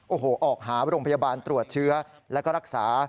โอ้โหออกหาโรงพยาบาลตรวจเชื้อแล้วก็รักษา